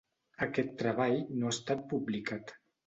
Aquest treball no ha estat publicat.